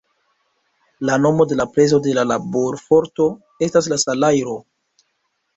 La nomo de la prezo de la laborforto estas la salajro.